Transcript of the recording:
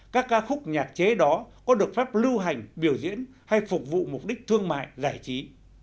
các ca khúc nhạc chế đó có được phép lưu hành biểu diễn hay phục vụ mục đích thương mại giải trí